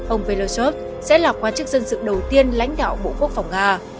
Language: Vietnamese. ông veloschov sẽ là quan chức dân sự đầu tiên lãnh đạo bộ quốc phòng nga